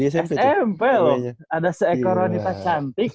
smp loh ada seekor wanita cantik